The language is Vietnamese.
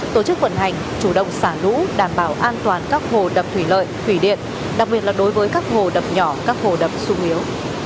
tổ chức vận hành chủ động xả lũ đảm bảo an toàn các hồ đập thủy lợi thủy điện đặc biệt là đối với các hồ đập nhỏ các hồ đập sung yếu